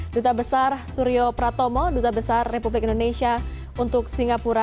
duta besar suryo pratomo duta besar republik indonesia untuk singapura